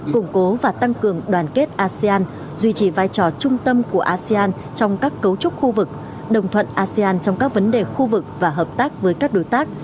củng cố và tăng cường đoàn kết asean duy trì vai trò trung tâm của asean trong các cấu trúc khu vực đồng thuận asean trong các vấn đề khu vực và hợp tác với các đối tác